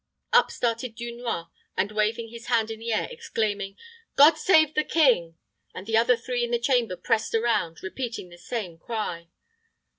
Up started Dunois, and waved his hand in the air, exclaiming, "God save the king!" and the other three in the chamber pressed around, repeating the same cry.